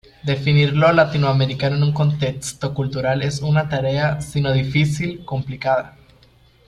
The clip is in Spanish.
Definir lo latinoamericano en un contexto cultural es una tarea si no difícil, complicada.